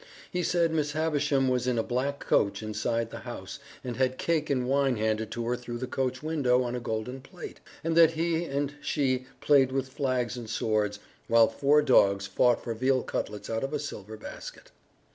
He said Miss Havisham was in a black coach inside the house, and had cake and wine handed to her through the coach window on a golden plate, and that he and she played with flags and swords, while four dogs fought for veal cutlets out of a silver basket.